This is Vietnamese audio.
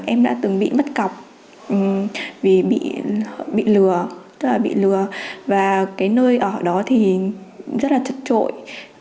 em đã từng bị mất cọc vì bị lừa và nơi ở đó rất là trật trội